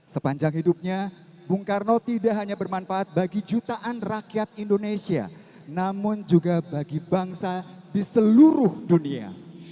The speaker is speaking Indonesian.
sepanjang hidupnya bung karno tidak hanya bermanfaat bagi jutaan rakyat indonesia namun juga bagi bangsa di seluruh dunia